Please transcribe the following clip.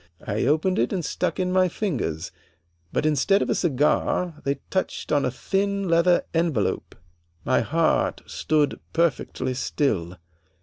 I opened it and stuck in my fingers, but instead of a cigar they touched on a thin leather envelope. My heart stood perfectly still.